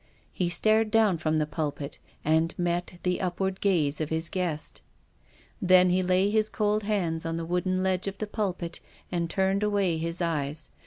He stared down from the pulpit and met the upward gaze of his guest. Then he laid his cold hands on the wooden ledge of the pulpit and turned away his eyes.